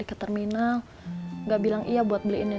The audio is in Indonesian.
itu orang yang kaya banget